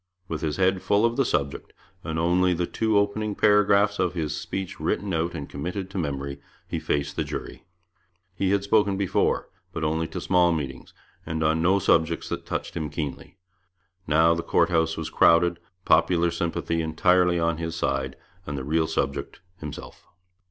With his head full of the subject, and only the two opening paragraphs of his speech written out and committed to memory, he faced the jury. He had spoken before, but only to small meetings, and on no subjects that touched him keenly. Now the Court House was crowded, popular sympathy entirely on his side, and the real subject himself.